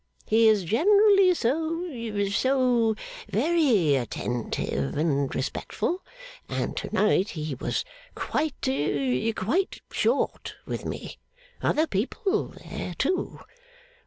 He is generally so so very attentive and respectful. And to night he was quite quite short with me. Other people there too!